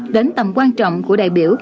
đến tầm quan trọng của đại biểu